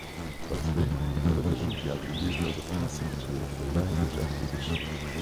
Firstly, television can be used as a passive tool for language acquisition.